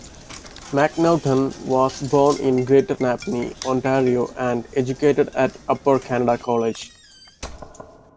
Macnaughton was born in Greater Napanee, Ontario, and educated at Upper Canada College.